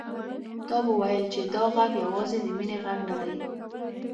تا به ويل چې دا غږ يوازې د مينې غږ نه دی.